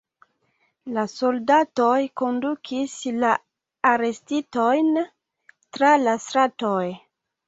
La soldatoj kondukis la arestitojn tra la stratoj.